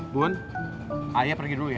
bun ayah pergi dulu ya